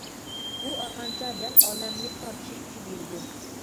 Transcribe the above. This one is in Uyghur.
بۇ «ئارغامچا» دەل «ئالەملىك تارتىشىش كۈچى» دېيىلىدۇ.